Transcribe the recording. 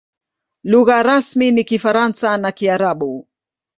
Lugha rasmi ni Kifaransa na Kiarabu.